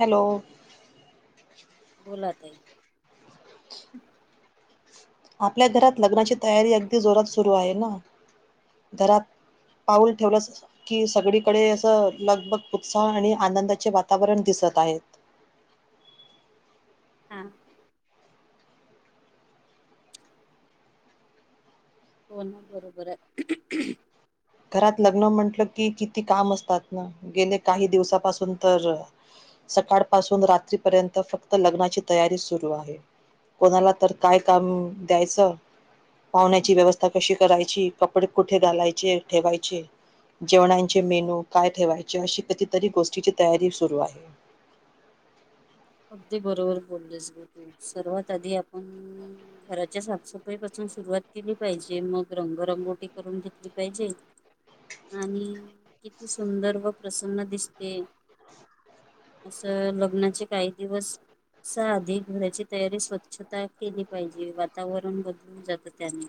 Hello, बोला ताई. आपल्या घरात लग्नाची तयारी अगदी जोरात सुरू आहे ना, घरात पाऊल ठेवलसं कसं. कि सगळीकडे असं लगबग उत्साह आणि आनंदाचे वातावरण दिसत आहेत. हा, होन बरोबर आहे. घरात लग्न म्हटलं की किती काम असतात ना, गेले काही दिवसापासून तर सकाळ पासून रात्रीपर्यत फक्त लग्नाची तयारी सुरू आहे. कोणाला तर काय काम द्यायचं पाहुण्याची व्यवस्था कशी करायची? कपडे कुठे घालायचे ठेवायचे? जेवणांचे मेनू काय ठेवायचे? अशी कितीतरी गोष्टीची तयारी सुरू आहे. अगदी बरोबर बोललेस ग तू सर्वात आधी आपण घराच्या साफसफाई पासून सुरुवात केली पाहिजे. मग रंगरंगोठी करून घेतली पाहिजे. आणि किती सुंदर व प्रसन्न दिसते. असं लग्नाचे काही दिवस साधी घराची तयारी स्वच्छता केली पाहिजे. वातावरण बदल जात त्यानी.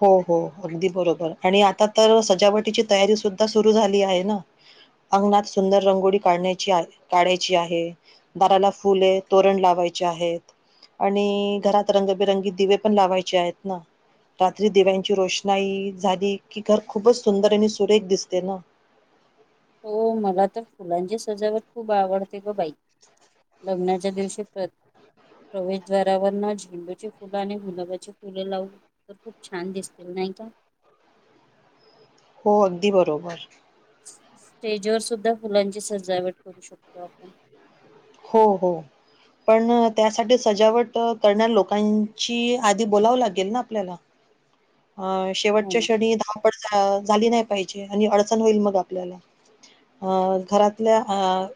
हो हो, अगदी बरोबर आणि आता तर सजावटीची तयारी सुद्धा सुरू झाली आहे ना, अंगणात सुंदर रंगोळी काढण्याची काढायची आहे. दाराला फुले तोरण लावायचे आहेत. आणि घरात रंगबेरंगी दिवे पण लावायचे आहेत ना, रात्री दिव्यांची रोषणाई झाली की, घर खूपच सुंदर आणि सुरेख दिसते ना, हो. मला तर फुलांची सजावट खूप आवडते ग बाई. लग्नाच्या दिवशी प्र प्रवेशद्वारावर न झेंडूची फुलं आणि गुलाबाची फुले लावून तर खूप छान दिसतील नाही का. हो अगदी बरोबर. स्टेजवर सुद्धा फुलांची सजावट करू शकतो आपण. हो हो. पण त्यासाठी सजावट करणाऱ्या लोकांची आधी बोलावं लागेल ना आपल्याला. अ हो शेवटच्या ना क्षणी धावपड झाली नाही पाहिजे आणि अडचण होईल मग आपल्याला. अ घरातल्या अ.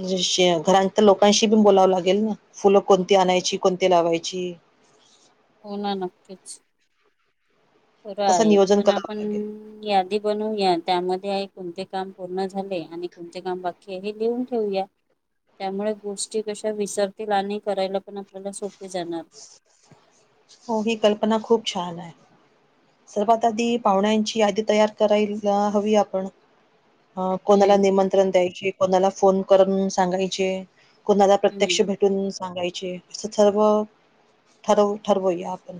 घरां तर लोकांशी बी बोलावं लागेल ना. फुलं कोणती आणायची कोणती लावायची. हो ना नक्कीच. खरं तसं आहे नियोजन पण. आपण करावं लागेल यादी बनूया त्यामध्ये कोणते काम पूर्ण झाले आणि कोणते काम बाकी. हे हे लिहून ठेऊया. त्यामुळे गोष्टी कशा विसरतील आणि करायला पण आपल्याला सोपे जाणार. हो ही कल्पना खूप छान आहे. सर्वात आधी पाहुण्यांची यादी तयार करायला हवी आपण. अ कोणाला हम्म हम्म निमंत्रण द्यायचे कोणाला फोन करून सांगायचे. कोणाला हम्म प्रत्यक्ष भेटून सांगायचे असं सर्व. ठरवू ठरवूया आपण.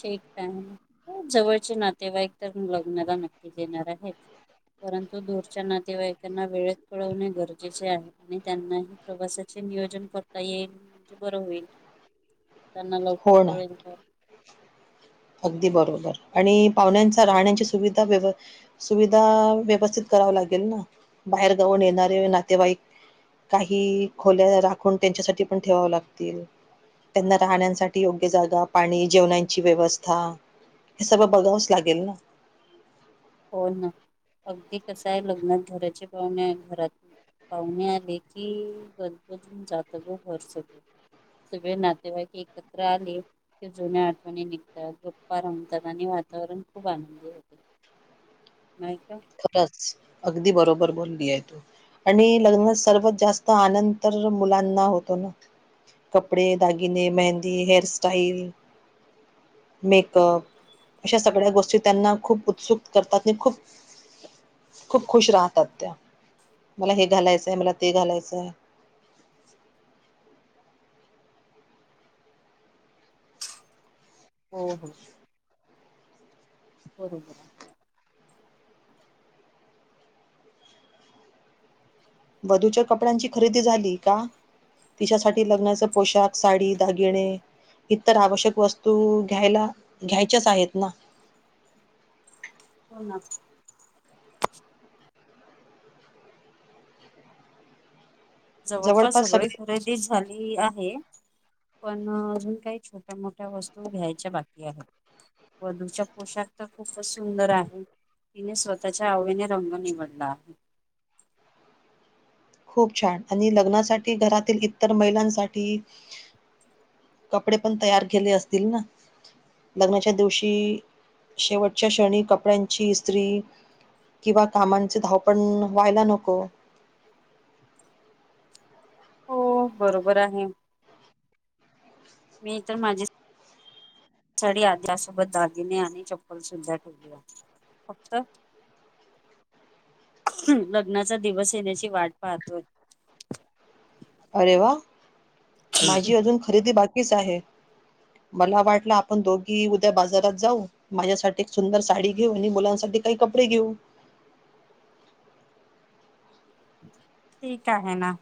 ठीक आहे. खुप जवळचे नातेवाईक तर लग्नाला नक्की येणार आहे. परंतु दूरच्या नातेवाईकांना वेळेत कळवणे गरजेचे आहे. आणि त्यांनाही प्रवासाचे नियोजन करता येईल म्हणजे बरं होईल. ह. त्यांना लवकर कळेल तर. अगदी बरोबर आणि पाहुण्यांचा राहण्याची सुविधा व्यवस्तीत. सुविधा व्यवस्थित कराव लागेल ना बाहेर जाऊन येणारे नातेवाईक काही खोल्या राखून त्यांच्यासाठी पण ठेवाव लागतील. त्यांना राहण्यांसाठी योग्य जागा पाणी जेवणाची व्यवस्था हा हे सगळं बघावंच लागेल ना हो ना अगदी कस आहे लग्न घराचे पाहुणे घरात पाहुणे आले की गबजून होऊन जात घर सगळं. सगळे नातेवाईक एकत्र आले. की जुन्या आठवणी निघतात गप्पा रमतात आणि वातावरण खूप आनंदी होते. नाही का खरंच अगदी बरोबर बोलली आहे तू. आणि लग्नात सर्वात जास्त आनंद तर मुलांना होतो ना कपडे दागिने मेहंदी हेअरस्टाईल मेकअप अशा सगळ्या गोष्टी त्यांना खूप उत्सुक करतात आणि खूप खूप खुश राहतात त्या, मला हे घालायचंय मला ते घालायचंय. हो हो. बरोबर. वधूच्या कपड्यांची खरेदी झाली का? तिच्यासाठी लग्नाच पोशाख साडी दागिणे इतर आवश्यक वस्तू घ्यायला घ्यायच्याच आहेत ना हो ना जवळपास सगळी खरेदी झाली आहे. पण अजून काही छोट्या मोठ्या वस्तू घ्यायच्या बाकी आहेत. वधूच्या पोशाख तर खूपच सुंदर आहे. तिने स्वतःच्या आवडीने रंग निवडला. खूप छान. आणि लग्नासाठी घरातील इतर महिलांसाठी कपडे पण तयार केले असतील ना. लग्नाच्या दिवशी शेवटच्या क्षणी कपड्यांची इत्री किंवा कामांची धावपळ व्हायला नको. हो बरोबर आहे. मी तर माझी साडी त्या सोबत दागिने आणि चप्पलसुद्धा घेतली आहे. फक्त लग्नाचा दिवस येण्याची वाट पाहतोय. अरे वा माझी अजून खरेदी बाकीच आहे. मला वाटल आपण दोघी उद्या बाजारात जाऊ. माझ्यासाठी एक सुंदर साडी घेऊ. आणि मुलांसाठी काही कपडे घेऊ. ठीक आहे ना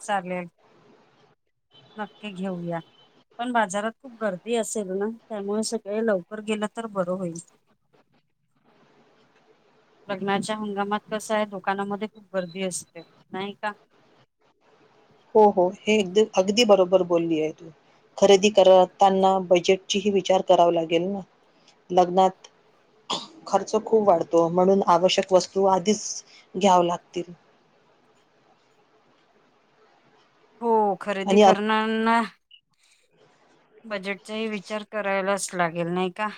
चालेल. नक्की घेऊया. पण बाजारात खूप गर्दी असेल ना. त्यामुळे सकाळी लवकर गेल तर बर होईल. [inaudible] लग्नाच्या हंगामात कस आहे दुकानांमध्ये खूप गर्दी असते नाही का. हो हो हे एक अगदी बरोबर बोलली आहे तू. खरेदी करताना बजेटचीही विचार करावा लागेल ना. लग्नात खर्च खूप वाढतो. म्हणून आवश्यक वस्तू आधीच घ्याव लागतील. हो खरेदी आणि अन- करणाऱ्यांना बजेटचा ही विचार करायलाच लागेल का.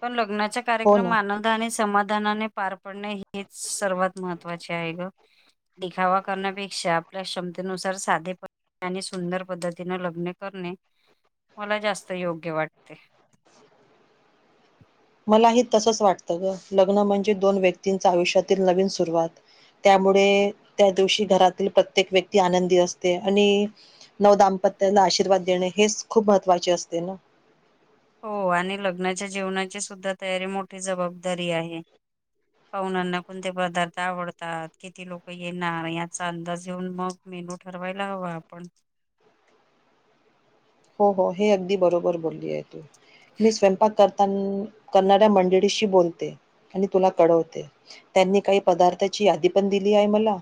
पण लग्नाचे हो कार्यक्रम ना आनंद आनंदाने समाधानाने पार पडणे हेच सर्वात महत्त्वाचे आहे ग. दिखावा करण्यापेक्षा आपल्या क्षम तेनुसार साधे पणाने आणि सुंदर पद्धतीने लग्न करणे मला जास्त योग्य वाटते. मलाही तसच वाटत ग. लग्न म्हणजे दोन व्यक्तींच आयुष्यातील नवीन सुरुवात. त्यामुळे त्या दिवशी घरातील प्रत्येक व्यक्ती आनंदी असते. आणि नव दामपत्याला आशीर्वाद देणे. हेच खूप महत्त्वाचे असते ना. हो आणि लग्नाच्या जेवणाची सुद्धा तयारी मोठी जबाबदारी आहे. पाहुण्यांना कोणते पदार्थ आवडतात. किती लोक येणार. याचा अंदाज येऊन मग मेनू ठरवायला हवा आपण. हो हो हे अगदी बरोबर बोलली आहे तू. मी स्वयंपाक कर करणाऱ्या मंडळीशी बोलते आणि तुला कळवते. त्यांनी काही पदार्थाची यादी पण दिली आहे मला.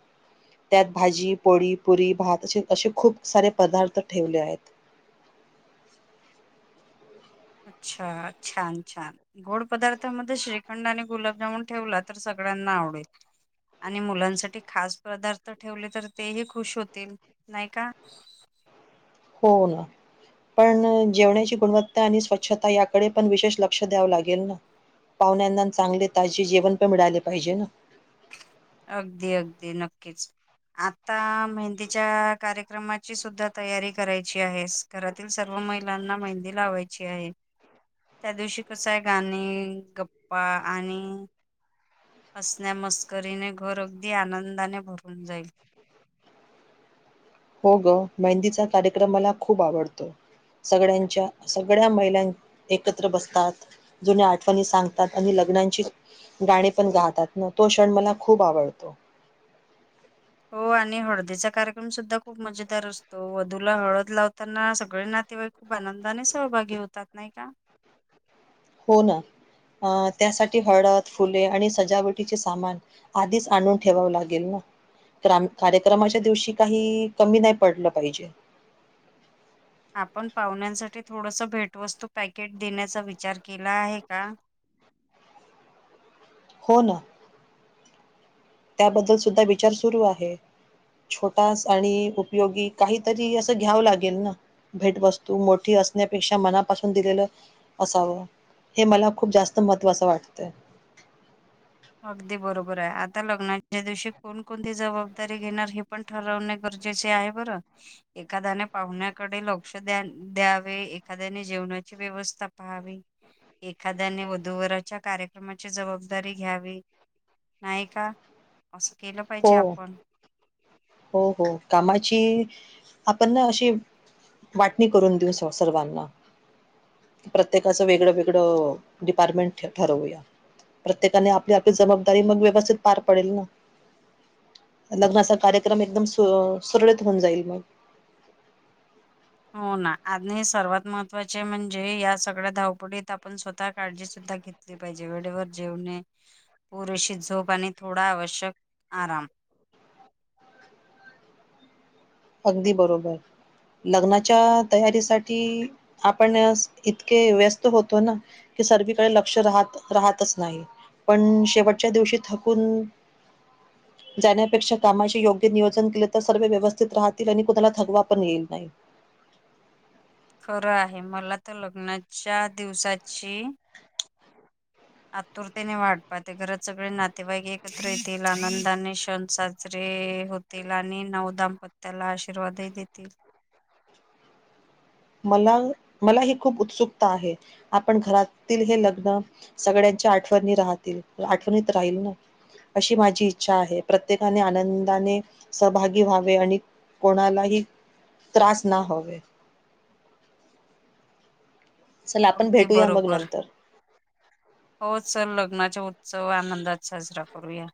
त्यात भाजी पोळी पुरी भात असे असे खूप सारे पदार्थ ठेवले आहेत. [inaudible] अच्छा छान छान. गोड पदार्थामध्ये श्रीखंड आणि गुलाबजामन ठेवला तर सगळ्यांना आवडेल. आणि मुलांसाठी खास पदार्थ ठेवले तर तेही खुश होतील, नाही का. हो ना. पण जेवण्याची गुणवत्ता आणि स्वच्छता याकडे पण विशेष लक्ष द्यावं लागेल ना? पाहुण्यांना न चांगले ताजे जेवण पण मिळाले पाहिजे ना? अगदी अगदी नक्कीच. आत्ता मेहंदीच्या कार्यक्रमाची सुद्धा तयारी करायची आहे. घरातील सर्व महिलांना मेहंदी लावायची आहे. त्या दिवशी कसय गाणे, गप्पा आणि- हसण्या मस्करीने घर अगदी आनंदाने भरून जाईल. हो ग. मेहंदीचा कार्यक्रम मला खूप आवडतो. सगड्यांच्या सगड्या महिला एकत्र बसतात. जुन्या आठवणी सांगतात. आणि लग्नांची- गाणी पण गातात न? तो क्षण मला खूप आवडतो. हो आणि हळदीचा कार्यक्रम सुद्धा खूप मजेदार असतो. वधूला हळद लावताना सगळे नातेवाईक- खूप आनंदाने सहभागी होतात नाही का? हो ना. त्यासाठी हळद, फुले आणि सजावटीचे सामान- आधीच आणून ठेवावं लागेल ना? तर आम कार्यक्रमाच्या दिवशी काही कमी नाही पडलं पाहिजे. आपण पाहुण्यांसाठी थोडस भेटवस्तू पॅकेट देण्याचा विचार केला आहे का? हो ना. त्याबद्दल सुद्धा विचार सुरू आहे. छोटा स आणि उपयोगी, काहीतरी असं घ्यावं लागेल ना? भेटवस्तू मोठी असण्यापेक्षा मनापासून दिलेलं असावं. हे मला खूप जास्त महत्त्वाचं वाटतय. अगदी बरोबर आहे. आता लग्नाच्या दिवशी कोणकोणती जबाबदारी घेणार हे पण- ठरवणे गरजेचे आहे बर. एखाद्याने पाहुण्याकडे लक्ष द्या द्यावे. एखाद्याने जेवणाची व्यवस्था पाहावी. एखाद्याने वधू वराच्या कार्यक्रमाची जबाबदारी- घ्यावी. नाही का? असं केलं पाहिजे हो आपण. हो हो. कामाची आपण ना अशी- वाटणी करून देऊ स सर्वांना. प्रत्येकाचं वेगड वेगड डिपार्टमेंट ठरवूया. प्रत्येकाने आपली आपली जबाबदारी मग व्यवस्थित पार पडेल ना? लग्नाचा कार्यक्रम एकदम, सुरळीत होऊन जाईल मग. हो ना. आज नाही सर्वात महत्वाचे म्हणजे- हे या सगळ्या धावपडीत आपण स्वतः काळजी सुद्धा घेतली पाहिजे. वेडेवर जेवणे- पुरेशी झोप आणि थोडा आवश्यक आराम. अगदी बरोबर. लग्नाच्या तयारीसाठी आपण इतके व्यस्त होतो ना- की सर्वीकडे लक्ष राहत राहतच नाही. पण शेवटच्या दिवशी थकून- जाण्यापेक्षा कामाचे योग्य नियोजन केले तर सर्व व्यवस्थ- स्तीत राहतील आणि कोणाला थकवा पण येईल नाही. खरं आहे. मला तर लग्नाच्या दिवसाची- आतुरतेने वाट पाहते. घरात सगळे नातेवाईक एकत्र येतील. आनंदाने सण साजरे होत - -तील. आणि नव दाम्पत्याला आशीर्वादही देतील. मला, मला ही खूप उत्सुकता आहे आपण घरातील हे लग्न सगळ्यांच्या आठवणी राहतील आठवणीत राहील ना अशी माझी इच्छा आहे प्रत्येकाने आनंदाने सहभागी व्हावे आणि कोणालाही त्रास ना व्हावे चला आपण अगदी भेटूया मग बरोबर नंतर हो चल लग्नाचा उत्सव आनंदात साजरा करूया